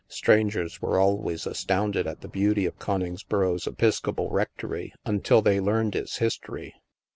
Strangers were always astounded at the beauty of Conings boro's Episcopal rectory, until they learned its his tory.